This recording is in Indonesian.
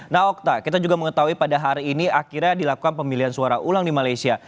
nah okta kita juga mengetahui pada hari ini akhirnya dilakukan pemilihan suara ulang di malaysia